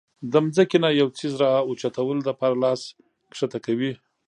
د زمکې نه د يو څيز را اوچتولو د پاره لاس ښکته کوي